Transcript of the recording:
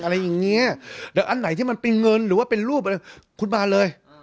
อะไรอย่างนี้แต่อันไหนที่มันเป็นเงินหรือเป็นรูปคุณมาเลย